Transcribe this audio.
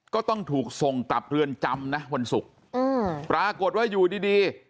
ก็ต้องถูกส่งกลับเรือนจำนะวันศุกร์อืมปรากฏว่าอยู่ดีดี